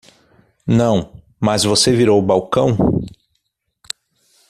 Não, mas você virou o balcão?